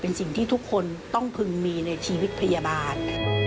เป็นสิ่งที่ทุกคนต้องพึงมีในชีวิตพยาบาล